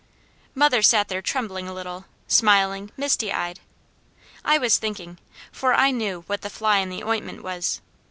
Mother sat there trembling a little, smiling, misty eyed. I was thinking, for I knew what the "fly in the ointment" was.